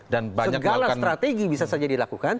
segala strategi bisa saja dilakukan